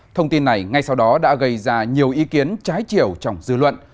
thông tin này ngay sau đó đã gây ra nhiều ý kiến trái chiều trong dư luận